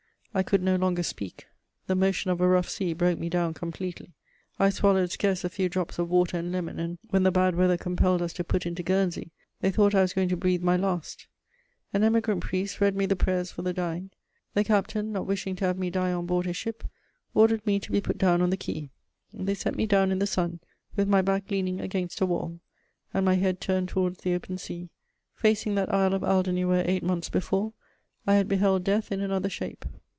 I could no longer speak; the motion of a rough sea broke me down completely. I swallowed scarce a few drops of water and lemon, and, when the bad weather compelled us to put in to Guernsey, they thought I was going to breathe my last: an emigrant priest read me the prayers for the dying. The captain, not wishing to have me die on board his ship, ordered me to be put down on the quay; they set me down in the sun, with my back leaning against a wall, and my head turned towards the open sea, facing that Isle of Alderney where, eight months before, I had beheld death in another shape.